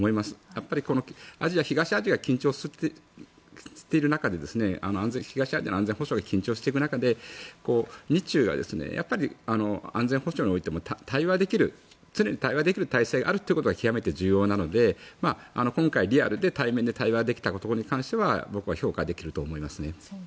やっぱり東アジアが緊張している中で東アジアの安全保障が緊張してく中で日中が安全保障においても常に対話できる体制があるということは極めて重要なので、今回リアルで対面で対話できたことに対しては僕は評価できると思いますね。